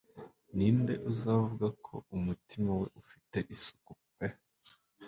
Ninde uzavuga ko umutima we ufite isuku pe